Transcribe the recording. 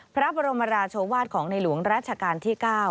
พระบรมราชวาสของในหลวงราชการที่๙